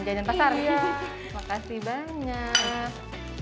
jajan pasar ya makasih banyak